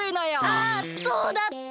あそうだった！